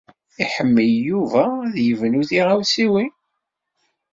Iḥemmel Yuba ad yebnu tiɣawsiwin.